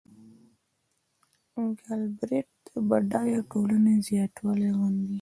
ګالبرېټ د بډایه ټولنې زیاتوالی غندلی.